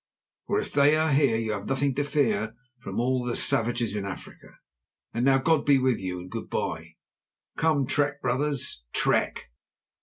For if they are here you have nothing to fear from all the savages in Africa. And now God be with you, and good bye. Come, trek, brothers, trek!"